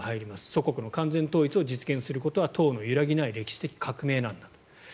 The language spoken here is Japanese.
祖国の完全統一を実現することは党の揺らぎない歴史的革命なんだと。